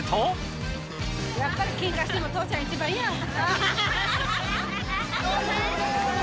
やっぱりけんかしても、父ちゃんが一番やん。